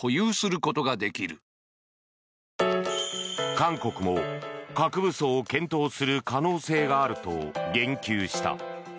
韓国も核武装を検討する可能性があると言及した。